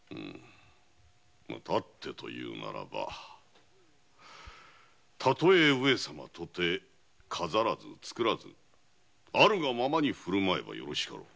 たってと言うならばたとえ上様の前とて飾らずつくらずあるがままに振る舞えばよろしかろう